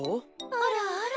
あらあら。